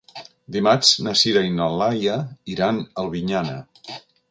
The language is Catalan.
Dimarts na Sira i na Laia iran a Albinyana.